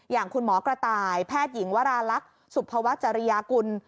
อย่างคุณหมอกระต่ายแพทย์หญิงวราลักษณ์สุภวัชริยากุล